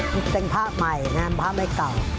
นี่เป็นพระใหม่นะพระไม่เก่า